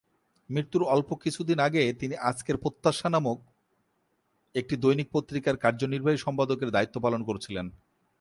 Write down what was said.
মৃত্যুর অল্প কিছুদিন আগে তিনি "আজকের প্রত্যাশা" নামক একটি দৈনিক পত্রিকার কার্যনির্বাহী সম্পাদকের দায়িত্ব পালন করছিলেন।